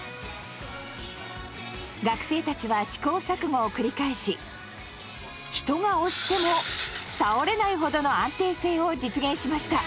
学生たちは試行錯誤を繰り返し人が押しても倒れないほどの安定性を実現しました。